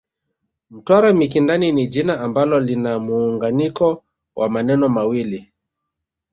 Mtwara Mikindani ni jina ambalo lina muunganiko wa maneno mawili